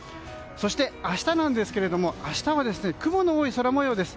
そして明日なんですけれども明日は雲の多い空模様です。